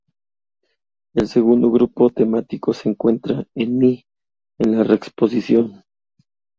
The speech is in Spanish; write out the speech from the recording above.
El segundo grupo temático se encuentra en mi, en la reexposición.